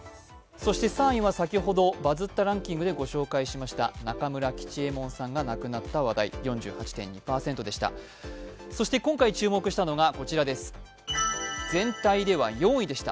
そして３位は先ほどバズったランキングでもご紹介した中村吉右衛門さんが亡くなった話題でした。